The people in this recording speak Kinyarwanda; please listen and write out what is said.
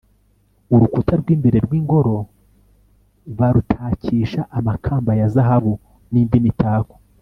urukuta rw'imbere rw'ingoro barutakisha amakamba ya zahabu n'indi mitako